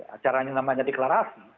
acaranya namanya deklarasi